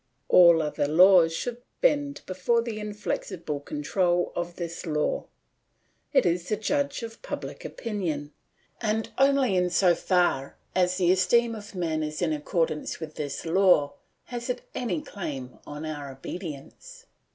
All other laws should bend before the inflexible control of this law; it is the judge of public opinion, and only in so far as the esteem of men is in accordance with this law has it any claim on our obedience.